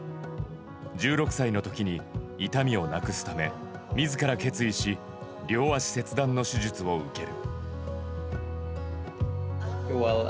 １６歳のときに痛みをなくすためみずから決意し、両足切断の手術を受ける。